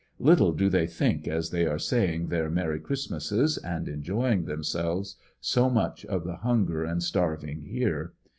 Little do they think as they are saying their Merry Christmases and enjoying themselves so much, of the hunger and starving here.